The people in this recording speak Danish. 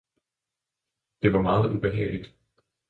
Det var meget ubehageligt.